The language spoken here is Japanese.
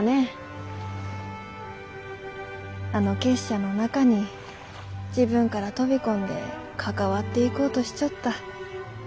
あの結社の中に自分から飛び込んで関わっていこうとしちょった。